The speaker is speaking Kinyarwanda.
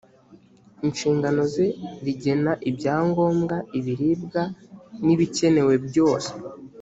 inshingano ze rigena ibyangombwa ibiribwa n’ibikenewe byose